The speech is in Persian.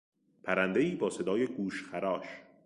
پرندهای با صدای گوشخراش